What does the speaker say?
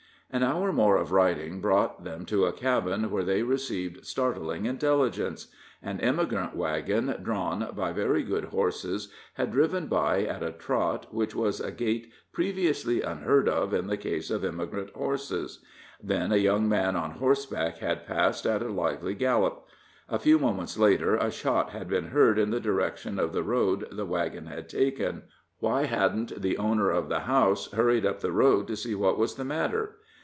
An hour more of riding brought them to a cabin where they received startling intelligence. An emigrant wagon, drawn by very good horses, had driven by at a trot which was a gait previously unheard of in the case of emigrant horses; then a young man on horseback had passed at a lively gallop; a few moments later a shot had been heard in the direction of the road the wagon had taken. Why hadn't the owner of the house hurried up the road to see what was the matter?